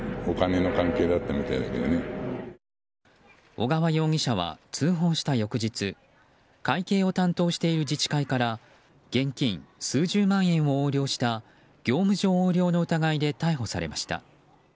小川容疑者は通報した翌日会計を担当している自治会から現金数十万円を横領した業務上横領の疑いで逮捕されました。